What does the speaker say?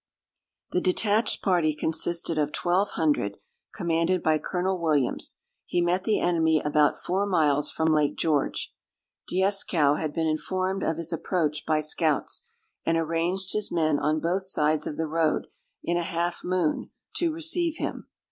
The detached party consisted of twelve hundred, commanded by Colonel Williams. He met the enemy about four miles from Lake George. Dieskau had been informed of his approach by scouts, and arranged his men on both sides of the road in a half moon, to receive him.